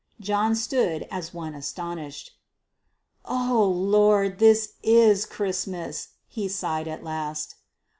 John stood as one astonished. "O Lord! this is a Christmas!" he sighed at last.